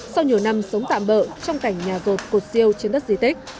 sau nhiều năm sống tạm bỡ trong cảnh nhà rột cột siêu trên đất di tích